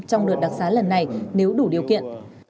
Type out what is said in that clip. trong đợt đặc xá lần này nếu đủ điều kiện